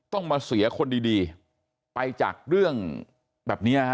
ต้องมาเสียคนดีไปจากเรื่องแบบนี้ฮะ